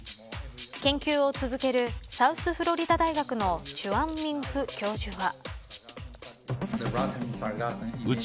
研究を続けるサウスフロリダ大学のチュアンミン・フ教授は。